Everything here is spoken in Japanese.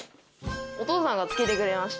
お父さんが付けてくれました。